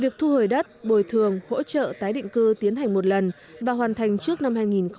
việc thu hồi đất bồi thường hỗ trợ tái định cư tiến hành một lần và hoàn thành trước năm hai nghìn hai mươi